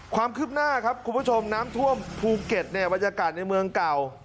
ความคืบหน้าครับคุณผู้ชมน้ำท่วมภูเก็ตเนี่ยบรรยากาศในเมืองเก่า